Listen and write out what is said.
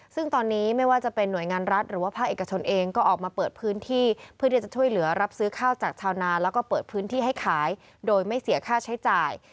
ซึ่งตอนนี้ไม่ว่าจะเป็นหน่วยงานรัฐหรือว่าภาคเอกชนเองก็ออกมาเปิดพื้นที่เพื่อที่จะช่วยเหลือรับซื้อข้าวจากชาวนาแล้วก็เปิดพื้นที่ให้ขายโดยไม่เสียค่าใช้จ่าย